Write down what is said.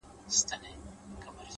هره ستونزه یو درس لري!